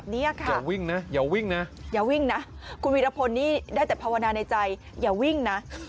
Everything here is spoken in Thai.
นี่นะมาดูนะตาขวาง